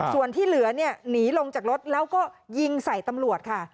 ส่วนที่เหลือเนี่ยหนีลงจากรถแล้วก็ยิงใส่ตำรวจค่ะ